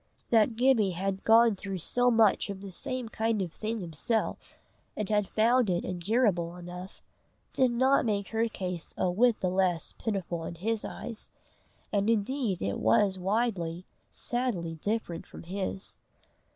That Gibbie had gone through so much of the same kind of thing himself, and had found it endurable enough, did not make her case a whit the less pitiful in his eyes, and indeed it was widely, sadly different from his.